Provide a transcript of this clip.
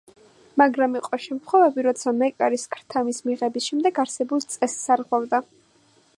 მაგრამ იყო შემთხვევები, როცა მეკარის ქრთამის მიღების შემდეგ არსებულ წესს არღვევდა.